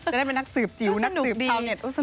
ได้เป็นนักสืบจิ๋วนักสืบชาวเน็ต